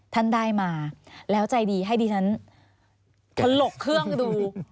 ท่านได้มาแล้วใจดีให้ดิฉันถลกเครื่องดู